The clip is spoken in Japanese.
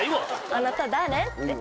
あなた誰？って。